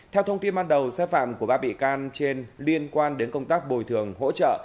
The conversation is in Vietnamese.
theo thông tin ban đầu sai phạm của các bị can trên liên quan đến công tác bồi thường hỗ trợ